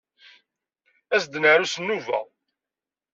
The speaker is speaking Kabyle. As-d ad naru s nnuba.